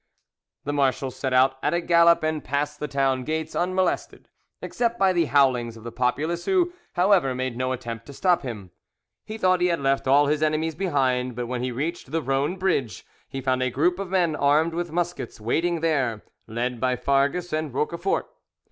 The marshal set out at a gallop, and passed the town gates unmolested, except by the howlings of the populace, who, however, made no attempt to stop him. He thought he had left all his enemies behind, but when he reached the Rhone bridge he found a group of men armed with muskets waiting there, led by Farges and Roquefort.